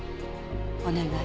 お願い。